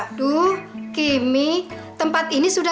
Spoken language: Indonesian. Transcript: terus yang ngurus toko toko ini siapa